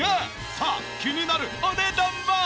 さあ気になるお値段は！？